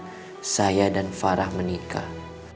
ketika saya dan farah menikah